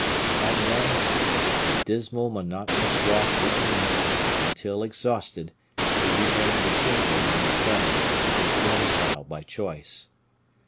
And then the dismal monotonous walk recommenced, until, exhausted, he regained the chamber and his bed, his domicile by choice.